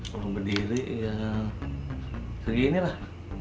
kalau berdiri ya segini lah